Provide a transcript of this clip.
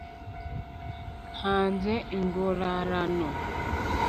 ntanze ingorarano.